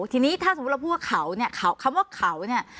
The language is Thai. ทีนี้ถ้าสมมุติเราพูดว่าเขาเนี่ยเขาคำว่าเขาเนี่ย